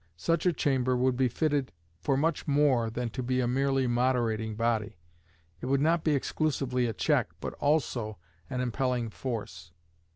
Such a Chamber would be fitted for much more than to be a merely moderating body. It would not be exclusively a check, but also an impelling force.